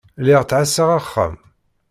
Lliɣ ttɛassaɣ axxam.